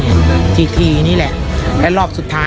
วันนี้แม่ช่วยเงินมากกว่า